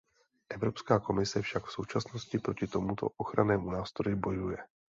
Evropská komise však v současnosti proti tomuto ochrannému nástroji bojuje.